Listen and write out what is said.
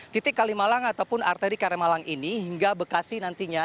titik kalimalang ataupun arteri kalimalang ini hingga bekasi nantinya